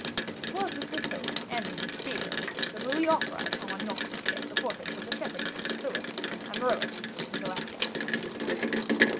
It was with this hope and with this fear that Louis authorized Saint Aignan to sketch the portraits of the shepherdesses, Phyllis, Amaryllis, and Galatea.